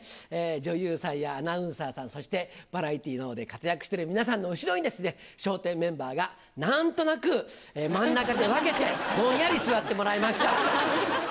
女優さんやアナウンサーさん、そしてバラエティーのほうで活躍している皆さんの後ろにですね、笑点メンバーがなんとなく真ん中で分けて、ぼんやり座ってもらいました。